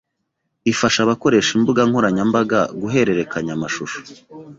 ifasha abakoresha imbuga nkoranyambaga guhererekanya amashusho